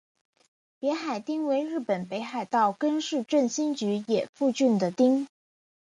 别海町为日本北海道根室振兴局野付郡的町。